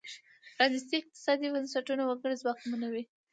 پرانیستي اقتصادي بنسټونه وګړي ځواکمنوي.